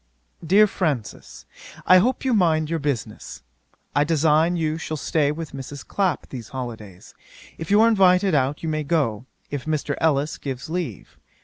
'DEAR FRANCIS, 'I hope you mind your business. I design you shall stay with Mrs. Clapp these holidays. If you are invited out you may go, if Mr. Ellis gives leave.